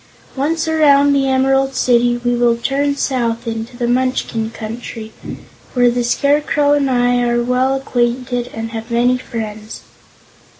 Once around the Emerald City we will turn south into the Munchkin Country, where the Scarecrow and I are well acquainted and have many friends."